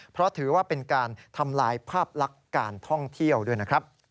เพราะถือว่าเป็นการทำลายภาพลักษณ์การท่องเที่ยวด้วยนะครับ